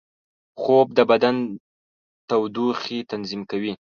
خوب د بدن تودوخې تنظیم کوي